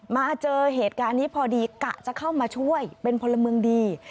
มาเจอเหตุการณ์นี้พอดีกะจะเข้ามาช่วยเป็นพลเมืองดี